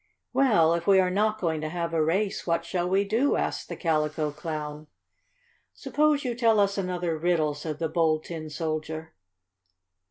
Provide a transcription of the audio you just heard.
"Well, if we are not going to have a race, what shall we do?" asked the Calico Clown. "Suppose you tell us another riddle," said the Bold Tin Soldier.